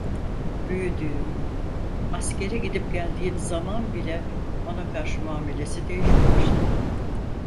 Büyüdüğüm, askere gidip geldiğim zaman bile bana karşı muamelesi değişmemişti.